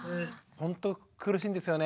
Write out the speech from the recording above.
ほんと苦しいんですよね。